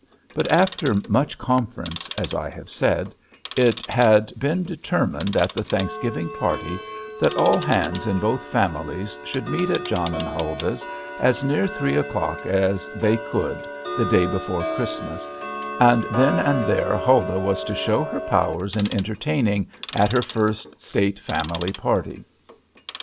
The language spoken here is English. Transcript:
But, after much conference, as I have said, it had been determined at the Thanksgiving party that all hands in both families should meet at John and Huldah's as near three o'clock as they could the day before Christmas; and then and there Huldah was to show her powers in entertaining at her first state family party.